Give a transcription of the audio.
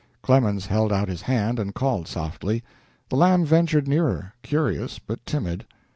Clemens held out his hand and called softly. The lamb ventured nearer, curious but timid.